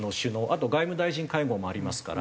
あと外務大臣会合もありますから。